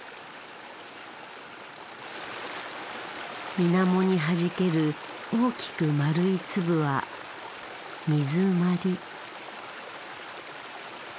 みなもにはじける大きく丸い粒は水鞠。